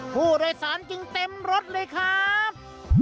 ผู้โดยสารจึงเต็มรถเลยครับ